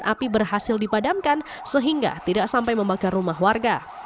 api berhasil dipadamkan sehingga tidak sampai membakar rumah warga